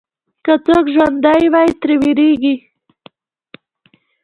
که څوک ژوندی وي، ترې وېرېږي.